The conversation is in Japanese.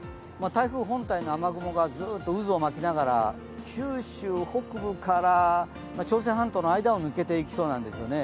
台風本体の雨雲がずっと渦を巻きながら九州北部から朝鮮半島の間を抜けていきそうなんですよね。